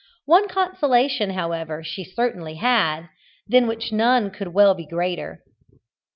One consolation, however, she certainly had, than which none could well be greater.